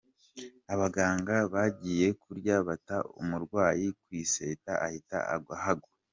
Abaganga bagiye kurya bata umurwayi ku iseta ahita ahagwa